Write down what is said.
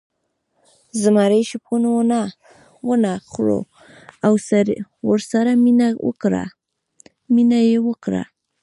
زمري شپون ونه خوړ او ورسره مینه یې وکړه.